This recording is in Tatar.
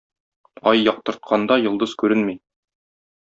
Ай яктыртканда йолдыз күренми.